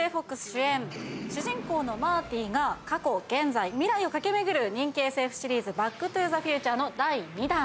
主人公のマーティが過去現在未来を駆け巡る人気ＳＦシリーズ『バック・トゥ・ザ・フューチャー』の第２弾。